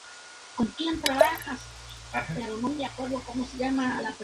Existen configuraciones más complejas.